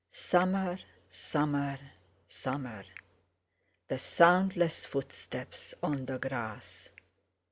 Summer—summer—summer! The soundless footsteps on the grass!